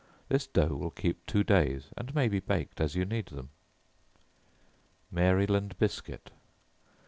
This dough will keep two days, and may be baked as you need them. Maryland Biscuit.